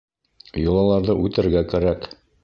Йолаларҙы үтәргә кәрәк.